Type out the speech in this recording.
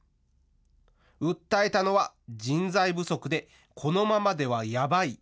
訴えたのは人財不足で、このままではヤバい。